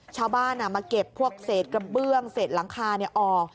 ชาวบ้านมาเก็บพวกเศษกระเบื้องเศษหลังคาออก